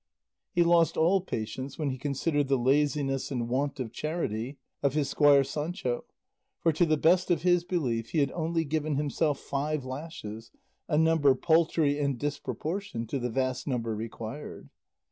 He lost all patience when he considered the laziness and want of charity of his squire Sancho; for to the best of his belief he had only given himself five lashes, a number paltry and disproportioned to the vast number required.